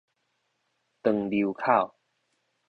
長流口